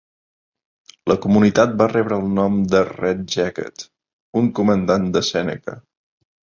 La comunitat va rebre el nom de Red Jacket, un comandant de Sèneca.